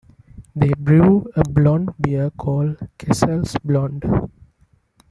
They brew a blond beer called "Kessel's Blond".